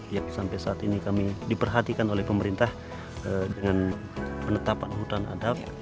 yang sampai saat ini kami diperhatikan oleh pemerintah dengan penetapan hutan adat